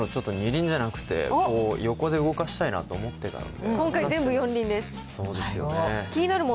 そろそろちょっと２輪じゃなくて、横で動かしたいなと思ってたので。